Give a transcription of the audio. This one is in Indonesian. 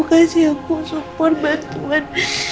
kasih aku support bantuan